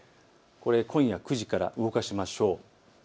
今夜９時から動かしましょう。